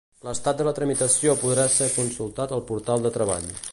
L'estat de la tramitació podrà ser consultat al portal de Treball.